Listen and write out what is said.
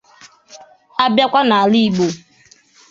A bịakwa n'ala Igbo